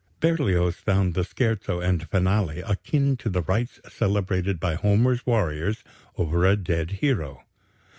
Berlioz found the scherzo and finale akin to the rites celebrated by Homer's warriors over a dead hero.